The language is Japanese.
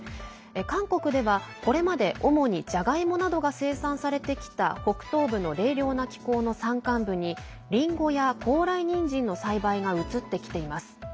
韓国では、これまで主にじゃがいもなどが生産されてきた北東部の冷涼な気候の山間部にりんごや高麗人参の栽培が移ってきています。